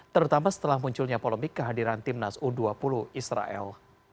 terutama setelah munculnya polemik kehadiran timnas u dua puluh israel